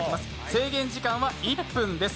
制限時間は１分です。